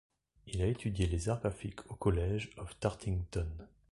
Il a étudié les arts graphiques au College of Dartington.